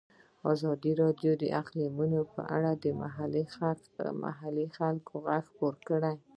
ازادي راډیو د اقلیتونه په اړه د محلي خلکو غږ خپور کړی.